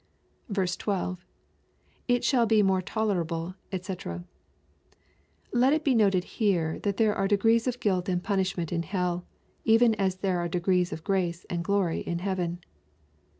12. — [It shall he more tolerahUj <fec.] Let it be noted here that there are degrees of guilt and punishment in hell, even as there are de grees of grace and glory in heaven.